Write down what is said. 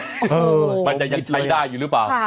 อร้อยมีทีเลยมันจะยังใช้ได้หรือป่าว